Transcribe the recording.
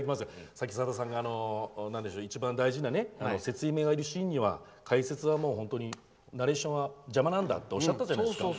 さっき、さださんが一番大事な説明がいるシーンにはナレーションは邪魔なんだとおっしゃったじゃないですか。